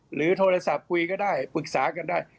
หรือโทรศัพท์คุยก็ได้ปรึกษากันได้